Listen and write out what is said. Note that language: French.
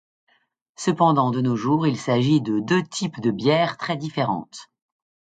Cependant, de nos jours, il s'agit de deux types de bières très différentes.